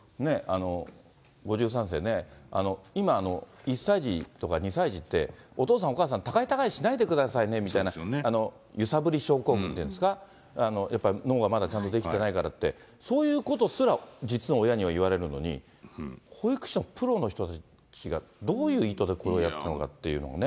５３世ね、今、１歳児とか２歳児って、お父さんお母さん、高い高いしないでくださいねみたいな、揺さぶり症候群っていうんですか、やっぱり脳がまだちゃんと出来てないからって、そういうことすら実の親には言われるのに、保育士のプロの人たちがどういう意図でこれをやったのかっていうね。